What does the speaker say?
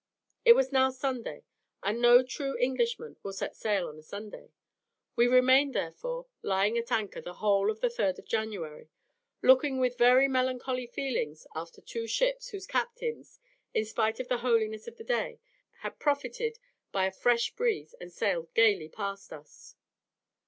It was now Sunday, and no true Englishman will set sail on a Sunday; we remained, therefore, lying at anchor the whole of the 3rd of January, looking with very melancholy feelings after two ships, whose captains, in spite of the holiness of the day, had profited by the fresh breeze, and sailed gaily past us.